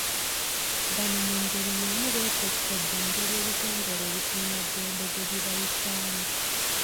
Bano mu ngeri y'emu beekokkodde engeri ebitongole ebikuumaddembe gye bibayisaamu.